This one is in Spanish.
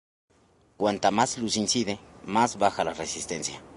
Cuanta más luz incide, más baja es la resistencia.